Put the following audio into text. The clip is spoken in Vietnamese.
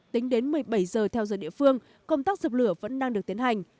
tính đến một mươi bảy giờ theo giờ địa phương công tác dập lửa vẫn đang được tiến hành